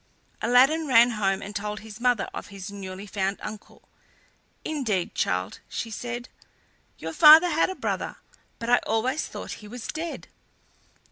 Aladdin ran home and told his mother of his newly found uncle. "Indeed, child," she said, "your father had a brother, but I always thought he was dead."